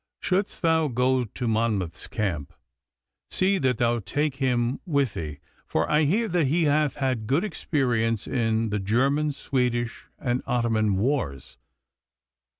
Shouldst thou go to Monmouth's camp, see that thou take him with thee, for I hear that he hath had good experience in the German, Swedish, and Otttoman wars.